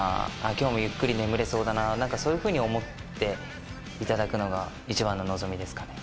今日もゆっくり眠れそうだなそういうふうに思っていただくのが一番の望みですかね